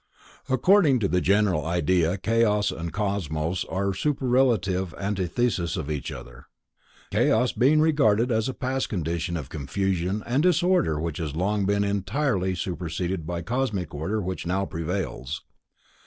According to the general idea Chaos and Cosmos are superlative antitheses of each other. Chaos being regarded as a past condition of confusion and disorder which has long since been entirely superseded by cosmic order which now prevails.